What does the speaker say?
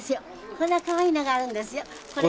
こんなかわいいのがあるんですよ。